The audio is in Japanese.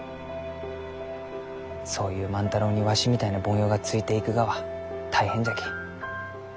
そういう万太郎にわしみたいな凡庸がついていくがは大変じゃき。